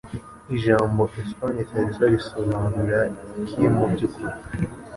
Ijambo Espagne Salsa risobanura iki mubyukuri